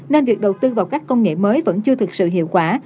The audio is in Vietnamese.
nên việc đầu tư vào các công nghệ mới vẫn chưa thực sự hiệu quả